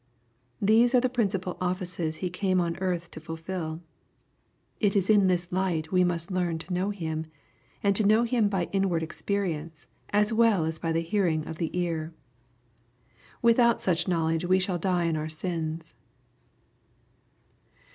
These are the principal offices He came on earth to fulfil. It is in this light we must learn to know Him, and to know Him by inward experience, as well as by the hearing of the ear. Without such knowledge we shall die in our sins.